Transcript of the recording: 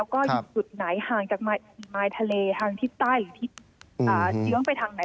ก็อยู่จุดไหนห่างจากมายทะเลทางทิศใต้หรือทิศเยื้องไปทางไหน